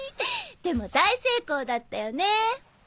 でも大成功だったよね。